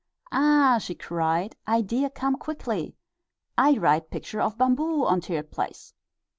"Ah!" she cried, "idea come quickly! I write picture of bamboo on teared place."